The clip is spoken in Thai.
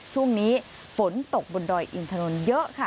ช่วงนี้ฝนตกบนดอยอินถนนเยอะค่ะ